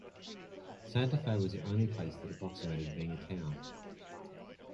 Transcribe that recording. Santa Fe was the only place that approximated being a town.